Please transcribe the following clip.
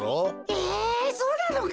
えそうなのか？